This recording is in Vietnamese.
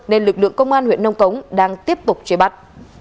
nên lực lượng công an huyện nông cống đang tiếp tục chế bắt